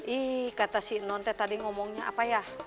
ih kata si non teh tadi ngomongnya apa ya